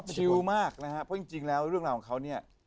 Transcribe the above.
ชิลมากนะครับเพราะจริงแล้วเรื่องราวของเขาเนี่ย